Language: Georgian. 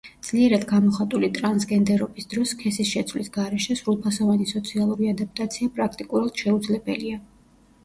ძლიერად გამოხატული ტრანსგენდერობის დროს, სქესის შეცვლის გარეშე, სრულფასოვანი სოციალური ადაპტაცია პრაქტიკულად შეუძლებელია.